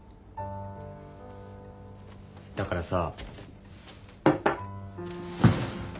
だからさ。